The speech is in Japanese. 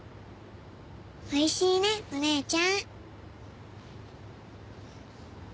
おいしいねお姉ちゃん。